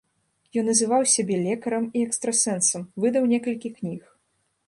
Ён называў сябе лекарам і экстрасэнсам, выдаў некалькіх кніг.